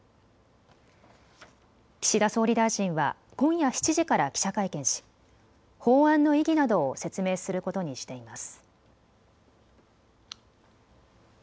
岸田総理大臣は今夜７時から記者会見し法案の意義などを説明することにしています。